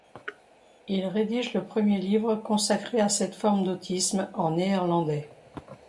Il rédige le premier livre consacré à cette forme d'autisme, en néerlandais.